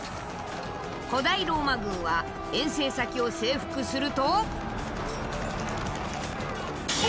古代ローマ軍は遠征先を征服すると。